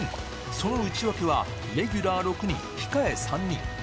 その内訳は、レギュラー６人、控え３人。